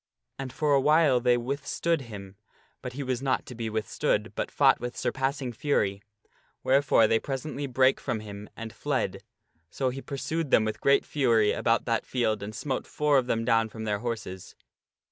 And for a while they withstood him, but 'he was not to be sir Pellias withstood, but fought with surpassing fury, wherefore they overcometh six presently brake from before him and fled. So he pursued s ' them with great fury about that field and smote four of them down from their horses.